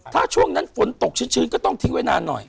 ถ้าช่วงนั้นฝนตกชื้นก็ต้องทิ้งไว้นานหน่อย